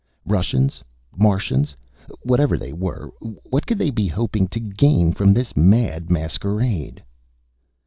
Russians? Martians? Whatever they were, what could they be hoping to gain from this mad masquerade?